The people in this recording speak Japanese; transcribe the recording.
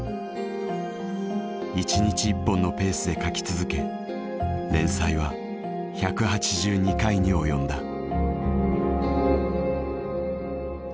１日１本のペースで書き続け連載は１８２回に及んだ。